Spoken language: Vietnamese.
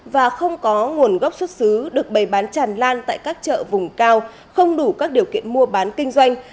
và không có nguồn gốc xuất xứ được bày bán tràn lan tại các chợ vùng cao không đủ các điều kiện mua bán kinh doanh